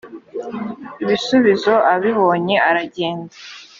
ibisubizo abibonye aragenda